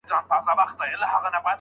پر خیرات غوټې وهلې ټپوسانو